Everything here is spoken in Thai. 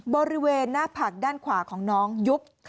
บริเวณหน้าผักด้านขวาของน้องยุบ